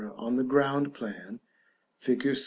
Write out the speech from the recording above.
on the ground plan fig.